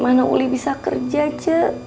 bagaimana uli bisa kerja ce